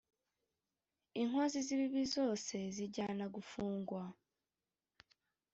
inkozi z ibibi zose zijyana gufungwa.